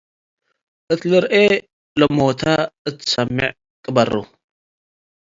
እት ልርኤ ለሞተ፡ እት ሰሜዕ ቅበሩ።